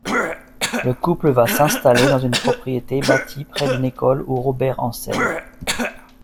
Le couple va s'installer dans une propriété bâtie près d'une école où Robert enseigne.